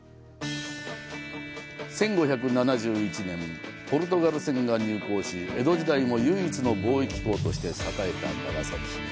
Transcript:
１５７１年、ポルトガル船が入港し、江戸時代も唯一の貿易港として栄えた長崎。